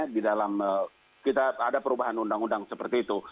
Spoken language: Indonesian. di dalam kita ada perubahan undang undang seperti itu